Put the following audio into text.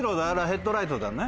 ヘッドライトだね。